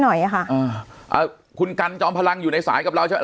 หน่อยค่ะอ่าอ่าคุณกันจอมพลังอยู่ในสายกับเราใช่ไหม